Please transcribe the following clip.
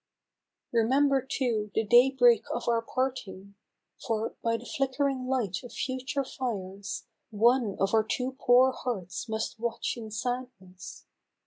Remember, too, the daybreak of our parting ; For, by the flickering light of future fires. One of our two poor hearts must watch in sadness.